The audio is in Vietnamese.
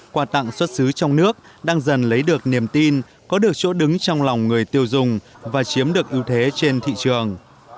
quà tặng xuất xứ trong nước đang dần lấy được niềm tin có được chỗ đứng trong lòng người tiêu dùng và chiếm được ưu thế trên thị trường